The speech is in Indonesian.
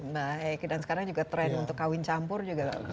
baik dan sekarang juga tren untuk kawin campur juga